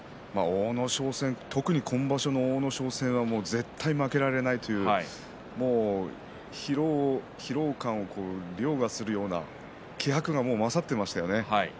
特に今場所の阿武咲戦は絶対に負けられないという疲労感をりょうがするような気迫が勝ってましたよね。